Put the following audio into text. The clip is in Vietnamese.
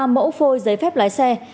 ba mẫu phôi giấy phép lái xe